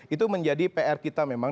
itu menjadi pr kita memang